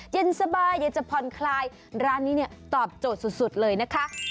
เย็นสบายอยากจะผ่อนคลายร้านนี้เนี่ยตอบโจทย์สุดเลยนะคะ